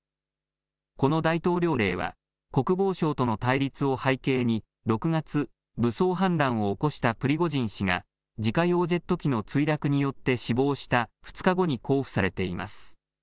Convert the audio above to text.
この大統領令は国防省との対立を背景に６月、武装反乱を起こしたプリゴジン氏が自家用ジェット機の墜落によって死亡した２日後に公布されています。